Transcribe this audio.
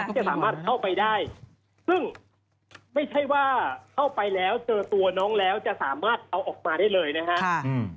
จะสามารถเข้าไปได้ซึ่งไม่ใช่ว่าเข้าไปแล้วเจอตัวน้องแล้วจะสามารถเอาออกมาได้เลยนะครับ